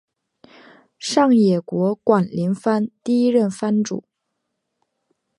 上野国馆林藩第一任藩主。